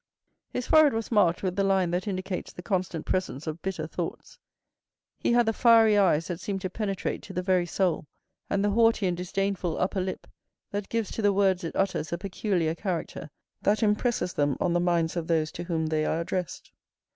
His forehead was marked with the line that indicates the constant presence of bitter thoughts; he had the fiery eyes that seem to penetrate to the very soul, and the haughty and disdainful upper lip that gives to the words it utters a peculiar character that impresses them on the minds of those to whom they are addressed.